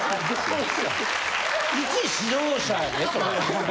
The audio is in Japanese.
いち指導者やでそれ。